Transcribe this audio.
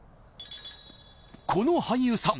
この俳優さん